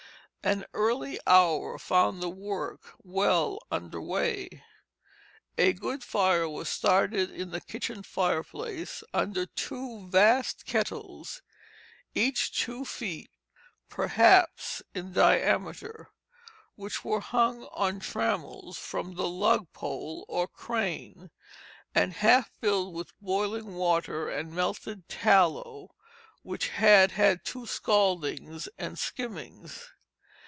An early hour found the work well under way. A good fire was started in the kitchen fireplace under two vast kettles, each two feet, perhaps, in diameter, which were hung on trammels from the lug pole or crane, and half filled with boiling water and melted tallow, which had had two scaldings and skimmings.